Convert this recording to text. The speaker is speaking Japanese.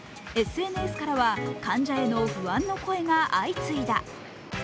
ＳＮＳからは、患者への不安の声が相次いだ。